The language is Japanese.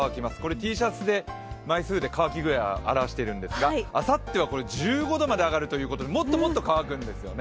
Ｔシャツで枚数で乾き具合を表しているんですがあさっては１５度まで上がるということでもっともっと乾くんですよね。